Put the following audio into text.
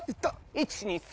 １２３！